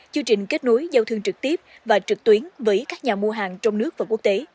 chương trình kết nối giao thương trực tiếp và trực tuyến với các nhà mua hàng trong nước và quốc tế